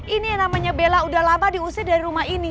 ini yang namanya bella udah lama diusir dari rumah ini